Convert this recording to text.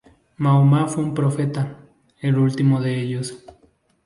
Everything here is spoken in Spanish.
Mahoma fue un profeta, el último de ellos.